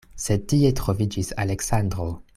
Sed tie troviĝis Aleksandro.